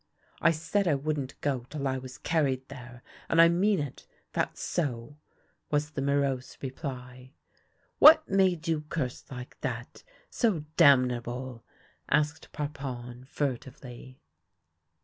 " I said I wouldn't go till I was carried there, and I mean it — that's so," was the morose reply. " What made you curse like that — so damnable ?" asked Parpon, furtively.